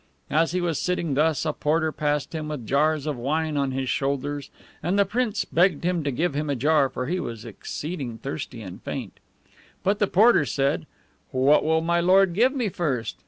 As he was sitting thus, a porter passed him with jars of wine on his shoulders, and the prince begged him to give him a jar, for he was exceeding thirsty and faint. But the porter said, "What will my lord give me first?"